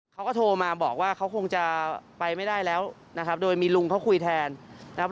เขาก็โทรมาบอกว่าเขาคงจะไปไม่ได้แล้วนะครับโดยมีลุงเขาคุยแทนนะครับ